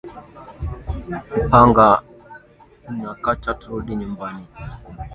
Mupanga ina ni kata turudi nyumbani